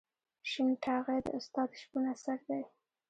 شین ټاغی د استاد شپون اثر دی.